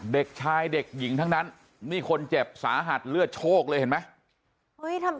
เด็กชายเด็กหญิงทั้งนั้นนี่คนเจ็บสาหัสเลือดโชคเลยเห็นไหม